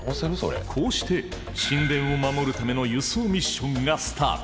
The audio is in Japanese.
こうして神殿を守るための輸送ミッションがスタート。